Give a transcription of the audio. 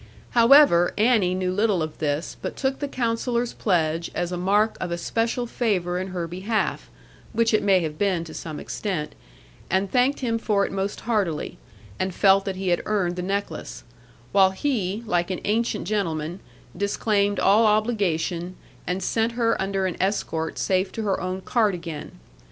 However, Annie knew little of this, but took the Counsellor's pledge as a mark of especial favour in her behalf (which it may have been to some extent), and thanked him for it most heartily, and felt that he had earned the necklace; while he, like an ancient gentleman, disclaimed all obligation, and sent her under an escort safe to her own cart again.